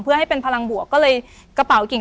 เพื่อให้เป็นพลังบวกก็เลยกระเป๋ากิ่ง